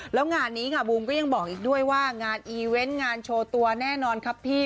แล้วงานนี้ค่ะบูมก็ยังบอกอีกด้วยว่างานอีเวนต์งานโชว์ตัวแน่นอนครับพี่